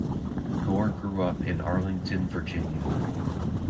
Gore grew up in Arlington, Virginia.